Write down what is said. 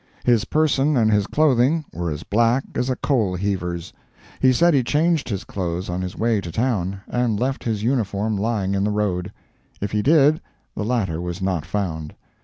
His person and his clothing were as black as a coal heaver's; he said he changed his clothes on his way to town, and left his uniform lying in the road. If he did, the latter was not found.